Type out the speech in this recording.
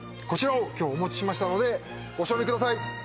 こちらを今日お持ちしましたのでご賞味ください